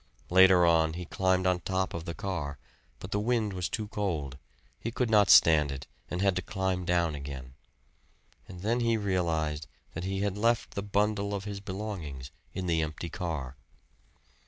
Later on he climbed on top of the car; but the wind was too cold he could not stand it, and had to climb down again. And then he realized that he had left the bundle of his belongings in the empty car.